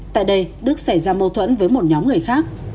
tại đây đức xảy ra mâu thuẫn với một nhóm người khác